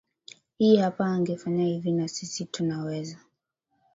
hii hapa angefanya hivi nasisi tunaweza